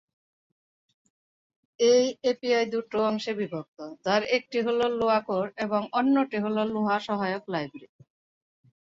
এই এপিআই দুটো অংশে বিভক্ত, যার একটি হলো লুয়া কোর এবং অন্যটি হলো লুয়া সহায়ক লাইব্রেরি।